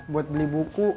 buat beli buku